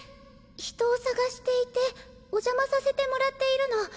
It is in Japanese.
人を捜していてお邪魔させてもらっているの。